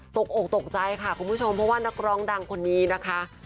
อกตกใจค่ะคุณผู้ชมเพราะว่านักร้องดังคนนี้นะคะ